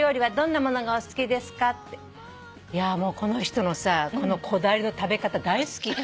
この人のこのこだわりの食べ方大好き。